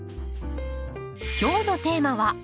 今日のテーマは「土」。